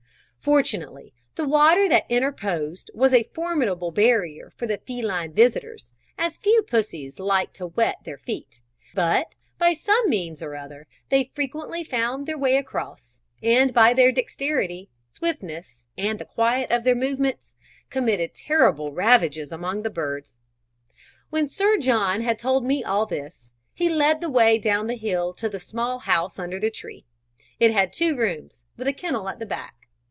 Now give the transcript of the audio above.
Fortunately, the water that interposed was a formidable barrier for the feline visitors, as few pussies like to wet their feet; but, by some means or other, they frequently found their way across, and by their dexterity, swiftness, and the quiet of their movements, committed terrible ravages among the birds. When Sir John had told me all this, he led the way down the hill to the small house under the tree. It had two rooms, with a kennel at the back.